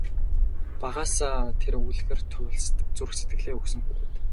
Багаасаа тэр үлгэр туульст зүрх сэтгэлээ өгсөн хүүхэд.